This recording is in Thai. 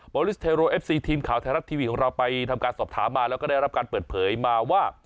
อลิสเทโรเอฟซีทีมข่าวไทยรัฐทีวีของเราไปทำการสอบถามมาแล้วก็ได้รับการเปิดเผยมาว่า